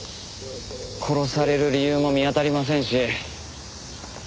殺される理由も見当たりませんし。